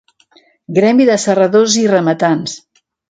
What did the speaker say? Gremi de serradors i rematants.